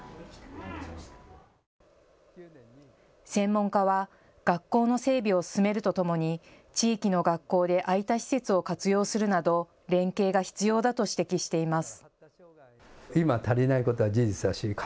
専門家は学校の整備を進めるとともに地域の学校で空いた施設を活用するなど連携が必要だと指摘しています。